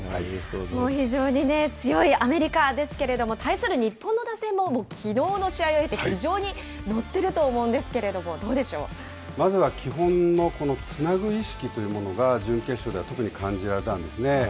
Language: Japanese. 非常にね、強いアメリカですけれども、対する日本の打線も、きのうの試合を経て、非常に乗ってると思うんですけれども、どうまずは基本のつなぐ意識というものが、準決勝では特に感じられたんですね。